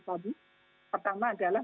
tadi pertama adalah